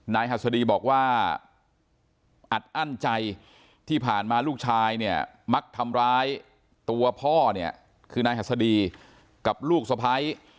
หัสดีบอกว่าอัดอั้นใจที่ผ่านมาลูกชายเนี่ยมักทำร้ายตัวพ่อเนี่ยคือนายหัสดีกับลูกสะพ้าย